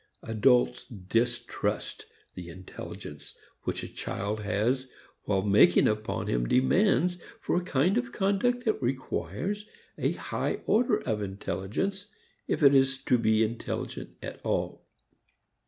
Adults distrust the intelligence which a child has while making upon him demands for a kind of conduct that requires a high order of intelligence, if it is to be intelligent at all.